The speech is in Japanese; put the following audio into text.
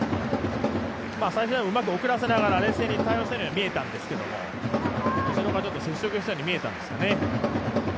最初はうまく送らせながら冷静に対応しているように見えたんですけど、後ろからちょっと接触したように見えたんですかね。